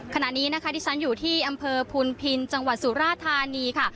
ขณะนี้นะคะที่ฉันอยู่ที่อำเภอพุนพินจังหวัดสุราธานีค่ะ